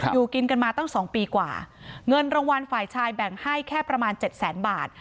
อยู่กินกันมาตั้ง๒ปีกว่าเงินรางวัลฝ่ายชายแบ่งให้แค่ประมาณเจ็ดแสนบาท